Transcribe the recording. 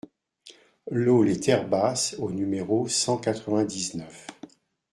LOT LES TERRES BASSES au numéro cent quatre-vingt-dix-neuf